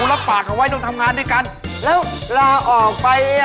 รับปากเขาไว้ต้องทำงานด้วยกันแล้วลาออกไปอ่ะ